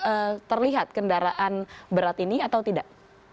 apakah terlihat kendaraan berat ini atau tidak